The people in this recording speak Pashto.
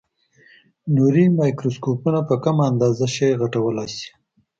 نوري مایکروسکوپونه په کمه اندازه شی غټولای شي.